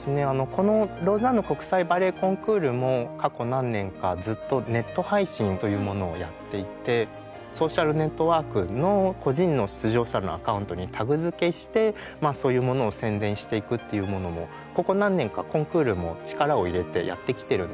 このローザンヌ国際バレエコンクールも過去何年かずっとネット配信というものをやっていてソーシャルネットワークの個人の出場者のアカウントにタグ付けしてまあそういうものを宣伝していくっていうものもここ何年かコンクールも力を入れてやってきてるんですね。